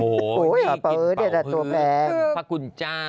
โหนี่กินเป่าฮื้อพระคุณเจ้า